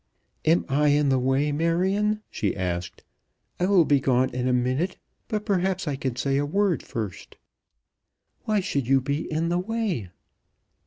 "Am I in the way, Marion?" she asked. "I will be gone in a minute; but perhaps I can say a word first." "Why should you be in the way?"